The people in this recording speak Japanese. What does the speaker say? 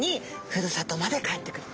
ふるさとまで帰ってくる。